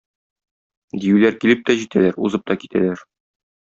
Диюләр килеп тә җитәләр, узып та китәләр.